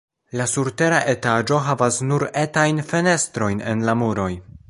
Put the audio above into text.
La surtera etaĝo havas nur etajn fenestrojn en la muroj.